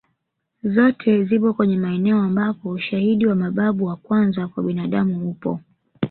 Zote zipo kwenye maeneo ambapo ushahidi wa mababu wa kwanza kwa binadamu upo